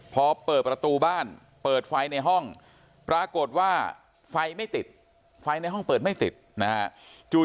พอเปิดประตูบ้านเปิดไฟในห้องปรากฏว่าไฟไม่ติดไฟในห้องเปิดไม่ติดนะฮะ